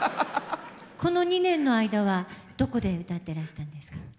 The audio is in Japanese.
この２年の間はどこで歌ってらしたんですか？